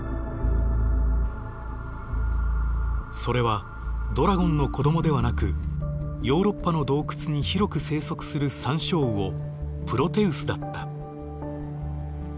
それはドラゴンの子どもではなくヨーロッパの洞窟に広く生息するサンショウウオプロテウスだった。